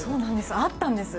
あったんですよ。